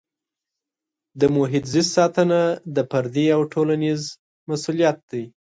د محیط زیست ساتنه د فردي او ټولنیز مسؤلیت دی.